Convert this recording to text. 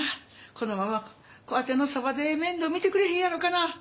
このままわての傍で面倒見てくれへんやろかな？